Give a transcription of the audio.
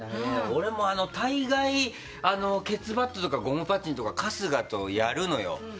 俺も大概ケツバットとかゴムパッチンとか春日とやるのよ。